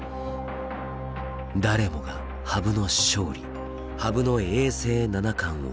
誰もが羽生の勝利羽生の永世七冠を確信。